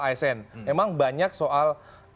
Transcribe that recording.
asn memang banyak soal